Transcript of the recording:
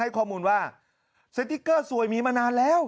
ข้อมูลว่าสติ๊กเกอร์สวยมีมานานแล้ว